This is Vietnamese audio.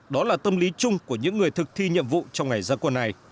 đó là tâm lý chung của những người thực thi nhiệm vụ trong ngày gia quân này